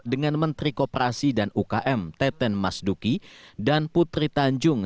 dengan menteri kooperasi dan ukm teten mas duki dan putri tanjung